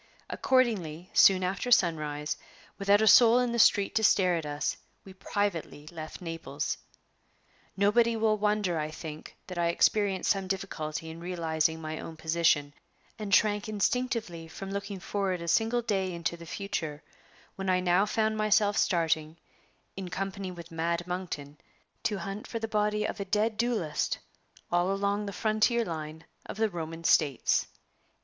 Accordingly, soon after sunrise, without a soul in the street to stare at us, we privately left Naples. Nobody will wonder, I think, that I experienced some difficulty in realizing my own position, and shrank instinctively from looking forward a single day into the future, when I now found myself starting, in company with "Mad Monkton," to hunt for the body of a dead duelist all along the frontier line of the Roman States!